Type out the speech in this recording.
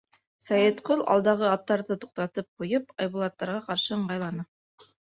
Сәйетҡол, алдағы аттарҙы туҡтатып ҡуйып, Айбулаттарға ҡаршы ыңғайланы.